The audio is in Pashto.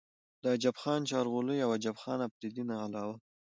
د عجب خان چارغولۍ او عجب خان افريدي نه علاوه